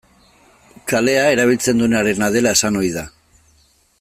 Kalea erabiltzen duenarena dela esan ohi da.